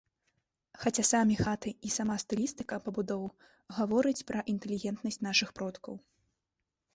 Хаця самі хаты і сама стылістыка пабудоў гаворыць пра інтэлігентнасць нашых продкаў.